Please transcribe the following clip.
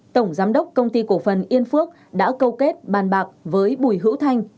tổng giám đốc công ty cổ phần yên phước đã câu kết bàn bạc với bùi hữu thanh